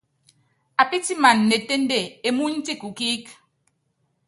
Apítiman ne ténde emúny ti kukíík.